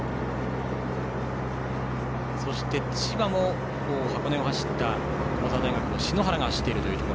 そして、千葉も箱根を走った駒沢大学の選手が走っているというところ。